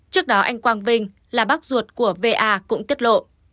trước đó anh quang vinh là bác ruột của va cũng tiết lộ